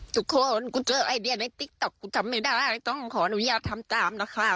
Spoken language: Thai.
ทุกคนกูเจอไอเดียในติ๊กต๊อกกูทำไม่ได้ต้องขออนุญาตทำตามนะคะ